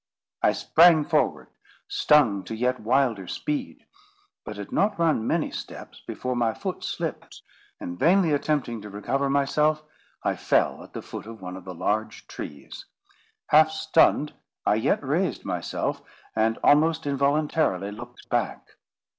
I sprang forward, stung to yet wilder speed; but had not run many steps before my foot slipped, and, vainly attempting to recover myself, I fell at the foot of one of the large trees. Half stunned, I yet raised myself, and almost involuntarily looked back.